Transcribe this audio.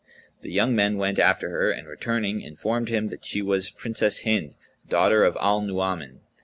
The young man went after her and returning informed him that she was princess Hind, daughter of Al Nu'uman.